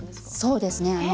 そうですね。